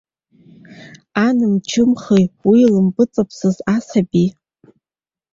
Ан мчымхеи уи илымпыҵаԥсыз асабии.